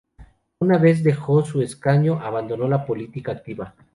Una vez dejó su escaño, abandonó la política activa.